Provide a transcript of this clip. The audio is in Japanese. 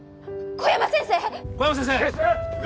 小山先生？